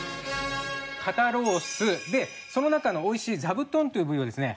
肩ロースでその中の美味しいザブトンという部位をですね